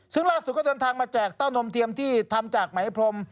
ซึ่งล่าสุดก็เดินทางมาแจกเต้านมเทียมที่ทำจากไหมพรม